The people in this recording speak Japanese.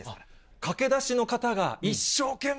駆け出しの方が一生懸命